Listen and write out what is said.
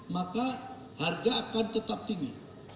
maka harga akan tetap tinggi